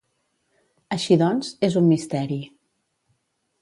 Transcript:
Així doncs, és un misteri.